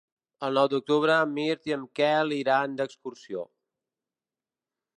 El nou d'octubre en Mirt i en Quel iran d'excursió.